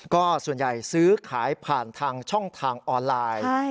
ก็ส่วนใหญ่ซื้อขายผ่านทางช่องทางออนไลน์